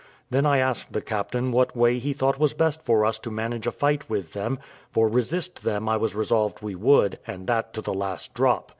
Then I asked the captain what way he thought best for us to manage a fight with them; for resist them I was resolved we would, and that to the last drop.